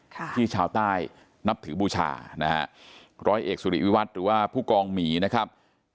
ค่ะที่ชาวใต้นับถือบูชานะฮะร้อยเอกสุริวิวัตรหรือว่าผู้กองหมีนะครับ